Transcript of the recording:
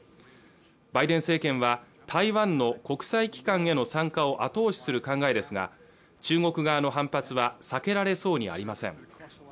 バイデン政権は台湾の国際機関への参加を後押しする考えですが中国側の反発は避けられそうにありません